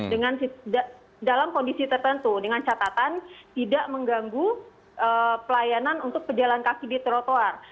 dengan dalam kondisi tertentu dengan catatan tidak mengganggu pelayanan untuk pejalan kaki di trotoar